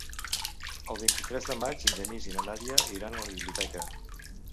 El vint-i-tres de maig en Genís i na Nàdia aniran a la biblioteca.